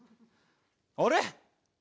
あれ！？